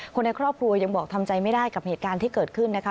คนในครอบครัวยังบอกทำใจไม่ได้กับเหตุการณ์ที่เกิดขึ้นนะคะ